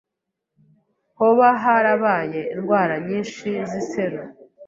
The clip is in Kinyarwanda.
Hoba harabaye indwara nyinshi z'iseru?